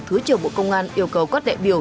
thứ trưởng bộ công an yêu cầu các đại biểu